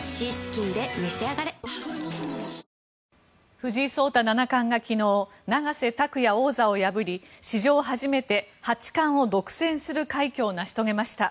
藤井聡太七冠が昨日永瀬拓矢王座を破り史上初めて八冠を独占する快挙を成し遂げました。